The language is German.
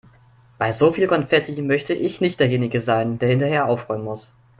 Bei so viel Konfetti möchte ich nicht derjenige sein, der hinterher aufräumen muss.